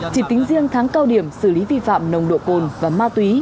chỉ tính riêng tháng cao điểm xử lý vi phạm nồng độ cồn và ma túy